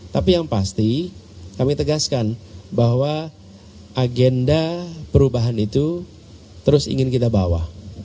tapi yang pasti kami tegaskan bahwa agenda perubahan itu terus ingin kita bawa